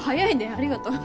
ありがとう。